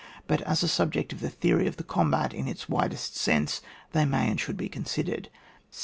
But, as a subject of the theory of the combat in its widest sense, they may and should be considered.